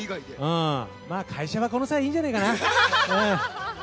会社はこの際いいんじゃないかな。